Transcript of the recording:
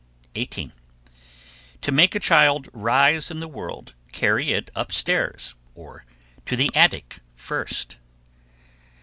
18. To make a child rise in the world, carry it upstairs (or to the attic) first.